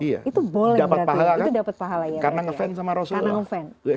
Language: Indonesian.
itu boleh berarti dapat pahala kan itu dapat pahala ya